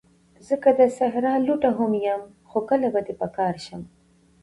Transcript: زه که د صحرا لوټه هم یم، خو کله به دي په کار شم